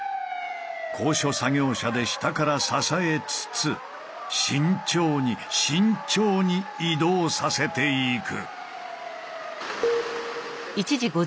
高所作業車で下から支えつつ慎重に慎重に移動させていく。